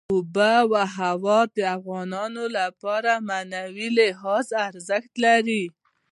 آب وهوا د افغانانو لپاره په معنوي لحاظ ارزښت لري.